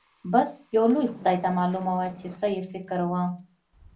بس يو لوی خدای ته معلومه وه چې څه يې فکر و.